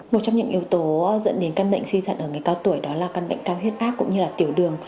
một trong những yếu tố dẫn đến căn bệnh suy thận ở người cao tuổi đó là căn bệnh cao huyết áp cũng như là tiểu đường